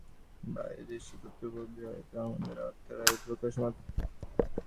বাইরে যা ঈশ্বরতত্ত্বের উপলব্ধি হয়, তা আমাদের আত্মারই প্রকাশমাত্র।